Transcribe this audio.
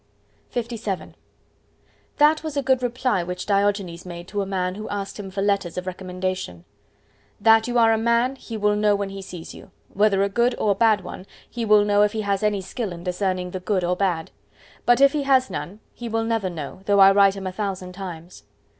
LVII That was a good reply which Diogenes made to a man who asked him for letters of recommendation.—"That you are a man, he will know when he sees you;—whether a good or bad one, he will know if he has any skill in discerning the good or bad. But if he has none, he will never know, though I write him a thousand times."